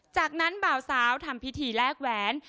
จากนั้นบ่าวสาวทำพิธีแลกแหวน